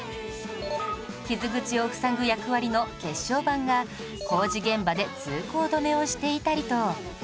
傷口をふさぐ役割の血小板が工事現場で通行止めをしていたりと